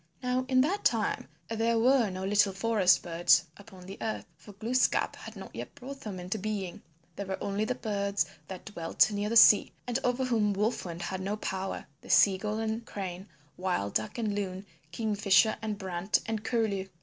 Now in that time there were no little forest birds upon the earth, for Glooskap had not yet brought them into being. There were only the birds that dwelt near the sea and over whom Wolf Wind had no power Sea gull and Crane, Wild duck and Loon, Kingfisher and Brant and Curlew.